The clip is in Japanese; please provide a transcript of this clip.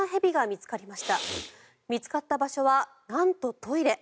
見つかった場所はなんと、トイレ。